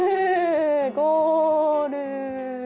ゴール。